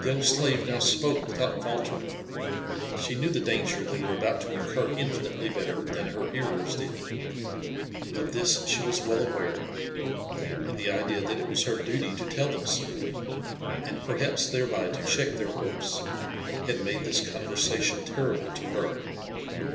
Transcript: The young slave now jspoke without faltering ; she knew the danger they were about to incur infinitely better than her hearers did. Of this she was well aware, and the idea that it was her duty to tell them ^so, and perhaps thereby to check their hopes, had made this conver sation terrible to her.